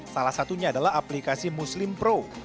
salah satunya adalah aplikasi muslim pro